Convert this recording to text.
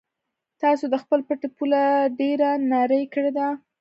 تاسو د خپل پټي پوله ډېره نرۍ کړې ده.